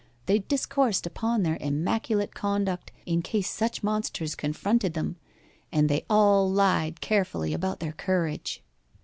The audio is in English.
They discoursed upon their immaculate conduct in case such monsters confronted them, and they all lied carefully about their courage.